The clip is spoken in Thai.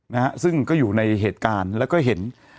นะฮะซึ่งก็อยู่ในเหตุการณ์แล้วก็เห็น